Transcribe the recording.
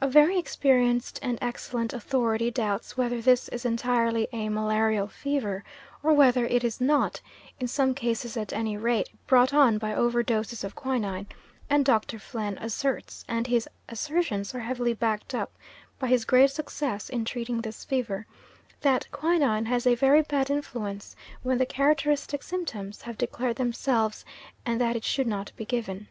A very experienced and excellent authority doubts whether this is entirely a malarial fever, or whether it is not, in some cases at any rate, brought on by over doses of quinine, and Dr. Plehn asserts, and his assertions are heavily backed up by his great success in treating this fever, that quinine has a very bad influence when the characteristic symptoms have declared themselves, and that it should not be given.